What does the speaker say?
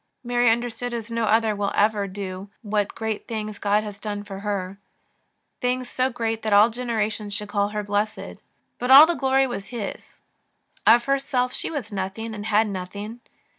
Mary understood as no other will ever do what "great things " God had done for her, things so great that all generations should call her blessed. But all the glory was His. Of herself she was nothing, and had nothing.